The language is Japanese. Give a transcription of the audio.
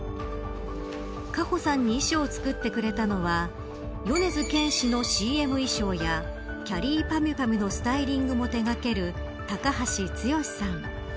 果歩さんに衣装を作ってくれたのは米津玄師のＣＭ衣装やきゃりーぱみゅぱみゅのスタイリングも手掛ける高橋毅さん。